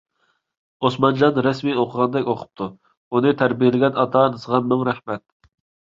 ئوسمانجان رەسمىي ئوقۇغاندەك ئوقۇپتۇ. ئۇنى تەربىيەلىگەن ئاتا-ئانىسىغا مىڭ رەھمەت!